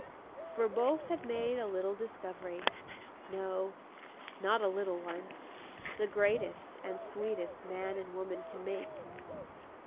For both had made a little discovery, no, not a little one, the greatest and sweetest man and woman can make.